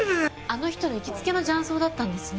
あの人の行きつけの雀荘だったんですね。